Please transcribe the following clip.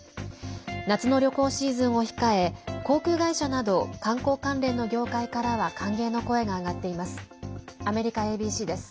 夏の旅行シーズンを控え航空会社など観光関連の業界からは歓迎の声が上がっています。